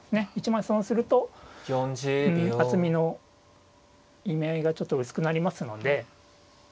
１枚損すると厚みの意味合いがちょっと薄くなりますので。